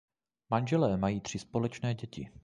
Manželé mají tři společné děti.